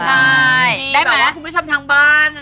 มีแบบว่าคุณผู้ชมทางบ้าน